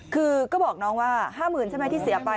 คือก็บอกน้องว่า๕๐๐๐ใช่ไหมที่เสียไป